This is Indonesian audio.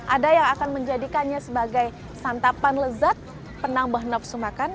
ada yang akan menjadikannya sebagai santapan lezat penambah nafsu makan